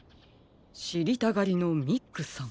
しりたがりのミックさん。